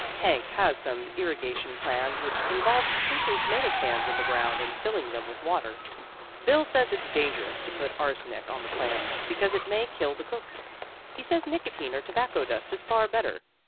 Hank has some irrigation plan which involves sinking tomato cans in the ground and filling them with water. Bill says it's dangerous to put arsenic on the plants, because it may kill the cook. He says nicotine or tobacco dust is far better.